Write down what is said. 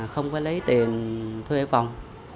không có lấy tiền thuê phòng